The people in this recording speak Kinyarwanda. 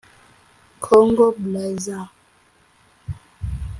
Congo Brazza